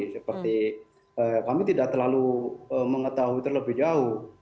seperti kami tidak terlalu mengetahui terlebih jauh